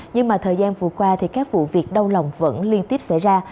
nhưng mà thời gian vừa qua thì các vụ việc đau lòng vẫn liên tiếp xảy ra